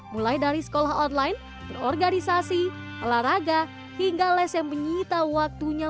mulai dari sekolah online berorganisasi olahraga hingga les yang menyita waktunya